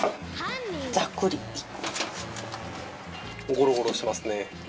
ゴロゴロしてますね。